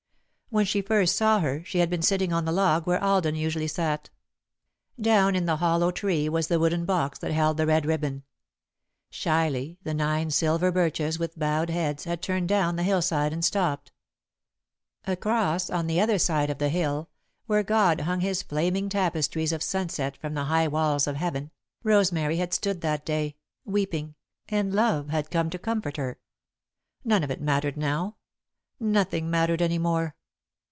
When she first saw her, she had been sitting on the log, where Alden usually sat. Down in the hollow tree was the wooden box that held the red ribbon. Shyly, the nine silver birches, with bowed heads, had turned down the hillside and stopped. Across, on the other side of the hill, where God hung His flaming tapestries of sunset from the high walls of Heaven, Rosemary had stood that day, weeping, and Love had come to comfort her. [Sidenote: Another Standard] None of it mattered now nothing mattered any more.